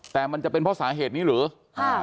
แต่มันจะเป็นเพราะสาเหตุนี้หรือค่ะ